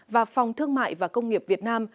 và phòng thương mại và công nghiệp việt nam